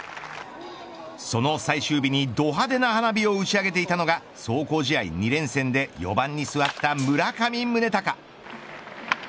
その最終日にど派手な花火を打ち上げていたのが壮行試合２連戦で４番に座った村上宗隆。